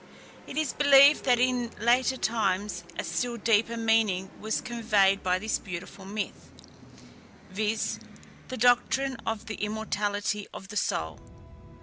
It is believed that in later times a still deeper meaning was conveyed by this beautiful myth, viz., the doctrine of the immortality of the soul.